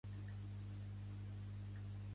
Vull canviar kanji a català.